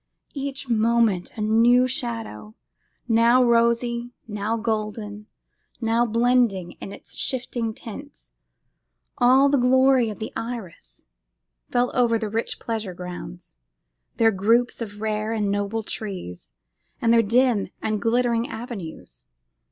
Each moment a new shadow, now rosy, now golden, now blending in its shifting tints all the glory of the iris, fell over the rich pleasure grounds, their groups of rare and noble trees, and their dim or glittering avenues.